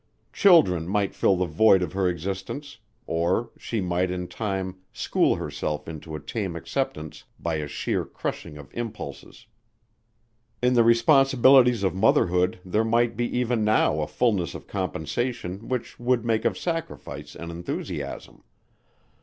Children might fill the void of her existence or she might in time school herself into a tame acceptance by a sheer crushing of impulses. In the responsibilities of motherhood there might be even now a fullness of compensation which would make of sacrifice an enthusiasm.